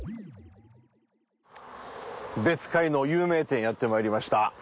別海の有名店へやってまいりました。